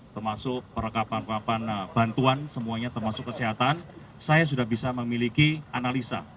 termasuk perlengkapan perlengkapan bantuan semuanya termasuk kesehatan saya sudah bisa memiliki analisa